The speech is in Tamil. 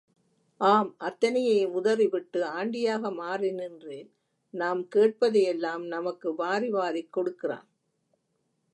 ஆம் அத்தனையையும் உதறிவிட்டு ஆண்டியாக மாறி நின்றே, நாம் கேட்பதையெல்லாம் நமக்கு வாரி வாரிக் கொடுக்கிறான்.